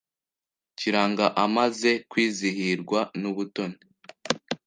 Kiranga amaze kwizihirwa n’ubutoni